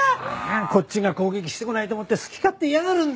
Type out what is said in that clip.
こっちが攻撃してこないと思って好き勝手言いやがるんだよ。